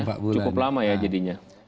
cukup lama ya jadinya